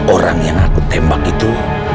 orang yang aku tembak itu